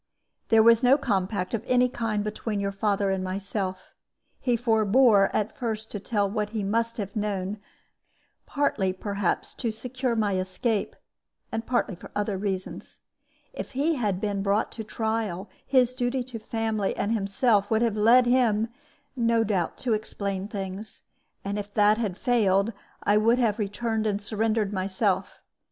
"There was no compact of any kind between your father and myself. He forbore at first to tell what he must have known, partly, perhaps, to secure my escape, and partly for other reasons. If he had been brought to trial, his duty to his family and himself would have led him, no doubt, to explain things. And if that had failed, I would have returned and surrendered myself.